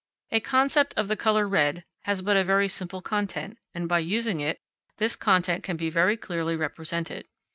A concept of the colour red has but a very simple content, and by using it, this content can be very clearly represented.